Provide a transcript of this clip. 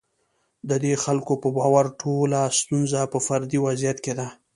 د دې خلکو په باور ټوله ستونزه په فردي وضعیت کې ده.